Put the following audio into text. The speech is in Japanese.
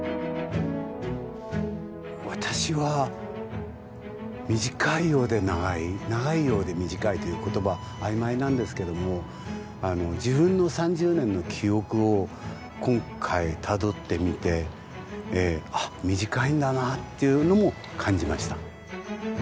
私は短いようで長い長いようで短いという言葉曖昧なんですけども自分の３０年の記憶を今回たどってみてあっ短いんだなっていうのも感じました。